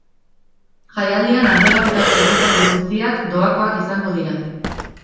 Jaialdian antolatutako ekitaldi guztiak doakoak izango dira.